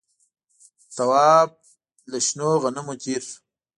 تواب له شنو غنمو تېر شو.